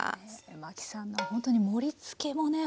麻紀さんのほんとに盛りつけもね